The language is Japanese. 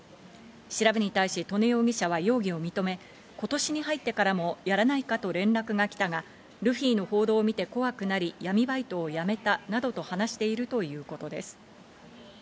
調べに対し刀禰容疑者は容疑を認め、今年に入ってからも「やらないか」と連絡が来たが、ルフィの報道を見て怖くなり、闇バイトをやめたなどと話しているということです。